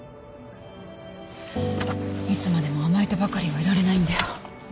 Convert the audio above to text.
いつまでも甘えてばかりはいられないんだよ。